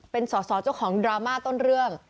เป็นสอสอเจ้าของดราม่าต้นเรื่อง